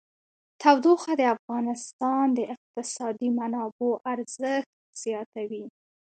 تودوخه د افغانستان د اقتصادي منابعو ارزښت زیاتوي.